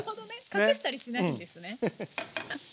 隠したりしないんですね。